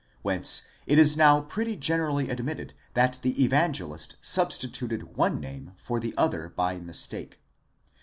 whence it is now pretty generally admitted that the Evangelist substituted one name for the other by mistake.!